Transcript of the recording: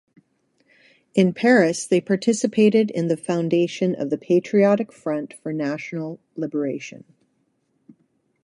In Paris they participated in the foundation of the Patriotic Front for National Liberation.